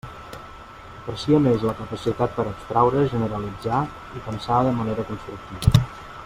Aprecia més la capacitat per a abstraure, generalitzar i pensar de manera constructiva.